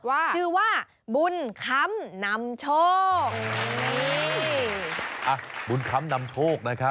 ชื่อว่าบุญคำนำโชคนี่อ่ะบุญคำนำโชคนะครับ